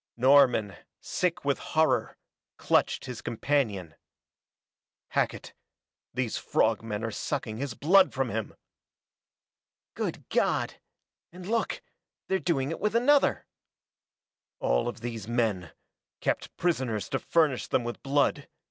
Norman, sick with horror, clutched his companion. "Hackett these frog men are sucking his blood from him!" "Good God! And look they're doing it with another!" "All of these men kept prisoners to furnish them with blood.